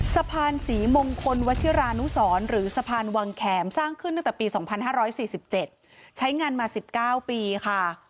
สะพานศรีมงคลวชิรานุสรหรือสะพานวังแขมสร้างขึ้นตั้งแต่ปี๒๕๔๗ใช้งานมา๑๙ปีค่ะ